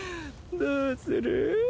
どうする？